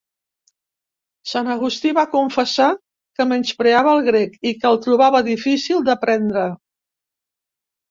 Sant Agustí va confessar que menyspreava el grec i que el trobava difícil d'aprendre.